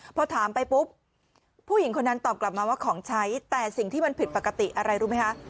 พอถามไปปุ๊บผู้หญิงคนนั้นตอบกลับมาว่าของใช้แต่สิ่งที่มันผิดปกติอะไรรู้ไหมคะ